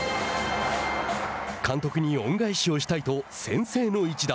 「監督に恩返しをしたい」と先制の一打。